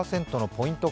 ポイント